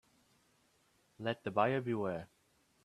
Let the buyer beware.